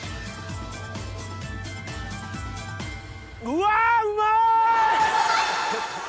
うわっうまい！